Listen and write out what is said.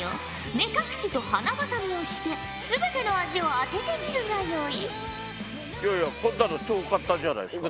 目隠しと鼻ばさみをして全ての味を当ててみるがよい。